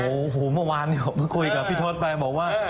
โอ้โฮเมื่อวานเมื่อคุยกับพี่โทษไปบอกว่า